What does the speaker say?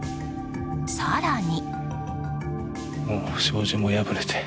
更に。